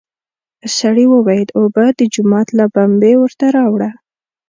سړي وويل: اوبه د جومات له بمبې ورته راوړه!